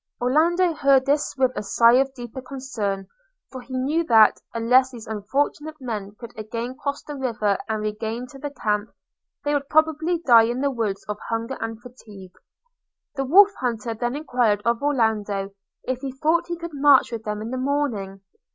Orlando heard this with a sigh of deeper concern; for he knew that, unless these unfortunate men could again cross the river and regain the camp, they would probably die in the woods of hunger and fatigue. The Wolf hunter then enquired of Orlando, if he thought he could march with them in the morning?